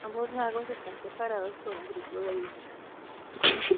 Ambos lagos están separados por un grupo de islas.